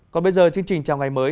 còn bây giờ chương trình chào ngày mới